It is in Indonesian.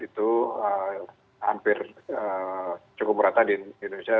itu hampir cukup rata di indonesia